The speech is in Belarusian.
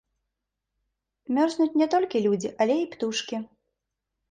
Мёрзнуць не толькі людзі, але і птушкі.